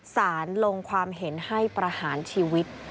สารลงความเห็นให้ประหารชีวิต